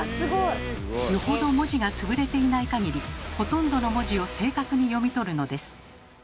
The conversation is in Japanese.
よほど文字がつぶれていないかぎりほとんどの文字を正確に読み取るのです。